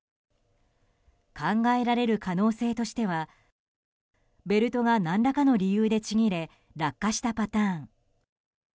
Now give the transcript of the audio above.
考えられる可能性としてはベルトが何らかの理由でちぎれ落下したパターン。